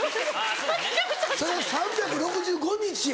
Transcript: それ３６５日や。